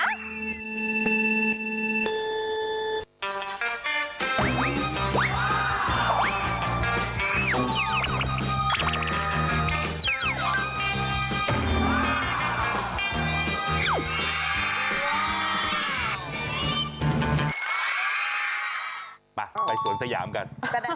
ไปสวนสยามกัน